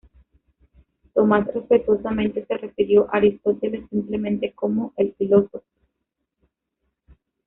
Tomás respetuosamente se refirió a Aristóteles simplemente como ""el Filósofo".